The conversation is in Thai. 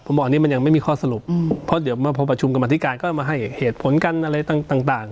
ผมบอกอันนี้มันยังไม่มีข้อสรุปเพราะเดี๋ยวพอประชุมกรรมธิการก็มาให้เหตุผลกันอะไรต่าง